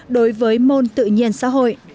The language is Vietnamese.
đối với môn tự nhiên xã hội